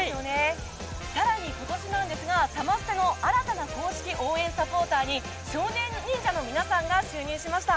更に、今年なんですがサマステの新たな公式応援サポーターに少年忍者の皆さんが就任しました。